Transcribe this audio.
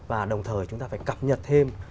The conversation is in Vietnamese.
và đồng thời chúng ta phải cập nhật thêm